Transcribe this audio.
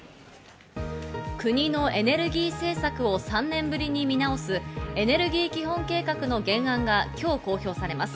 国のエネルギー政策を３年ぶりに見直すエネルギー基本計画の原案が今日、公表されます。